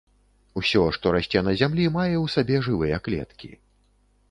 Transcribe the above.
Усё, што расце на зямлі, мае ў сабе жывыя клеткі.